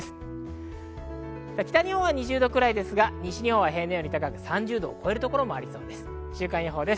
北日本は２０度くらいですが、西日本は平年より高く３０度を超えるところもありそうです。